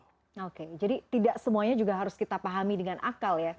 oke jadi tidak semuanya juga harus kita pahami dengan akal ya